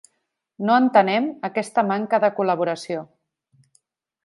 No entenem aquesta manca de col·laboració.